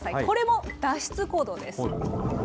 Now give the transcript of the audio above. これも脱出行動です。